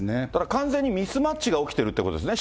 完全にミスマッチが起きてるということですね。